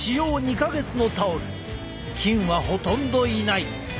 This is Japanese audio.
菌はほとんどいない。